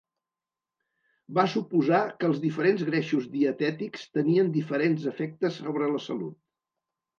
Va suposar que els diferents greixos dietètics tenien diferents efectes sobre la salut.